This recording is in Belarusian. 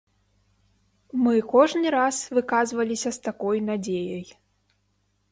Мы кожны раз выказваліся з такой надзеяй.